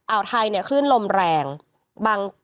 อ่าวไทยเนี่ยคลื่นลมแรง